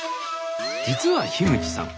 実は口さん